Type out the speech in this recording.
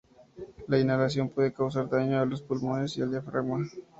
La inhalación puede causar daño a los pulmones y el diafragma.